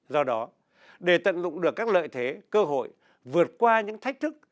do đó để tận dụng được các lợi thế cơ hội vượt qua những thách thức